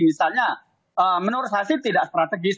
misalnya menurut saya sih tidak strategis